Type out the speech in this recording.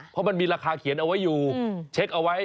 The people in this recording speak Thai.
เพราะมันมีราคาเขียนเอาไว้อยู่เช็คเอาไว้